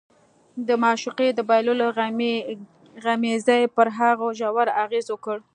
د معشوقې د بایللو غمېزې پر هغه ژور اغېز وکړ